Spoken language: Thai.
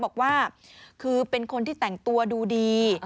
บอกว่าคือเป็นคนที่แต่งตัวดูดี